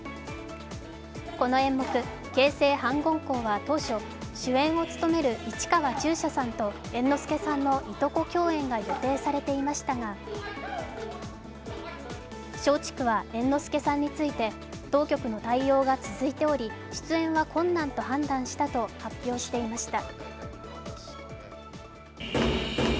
この演目「傾城反魂香」は当初主演を務める市川中車さんと猿之助さんのいとこ共演が予定されていましたが、松竹は、猿之助さんについて、当局の対応が続いており出演は困難と判断したと発表していました。